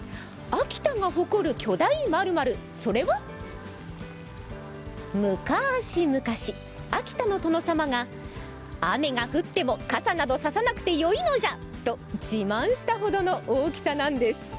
秋田が誇る巨大○○、それは、むかし、むかし、秋田の殿様が雨が降っても傘などささなくてよいのじゃ！と自慢したほどの大きさなんです。